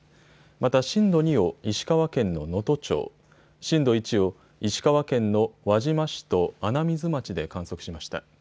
また震度２を石川県の能登町、震度１を石川県の輪島市と穴水町で観測しました。